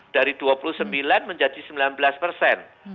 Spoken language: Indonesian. dari dua puluh sembilan menjadi sembilan belas persen